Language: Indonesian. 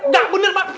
gak bener pak